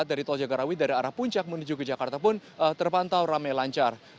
dari tol jagorawi dari arah puncak menuju ke jakarta pun terpantau ramai lancar